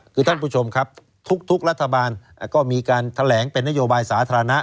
คือท่านผู้ชมครับทุกรัฐบาลก็มีการแถลงเป็นนโยบายสาธารณะ